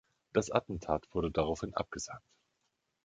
Das Attentat wurde daraufhin abgesagt.